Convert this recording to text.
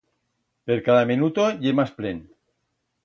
Per cada menuto ye mas plen.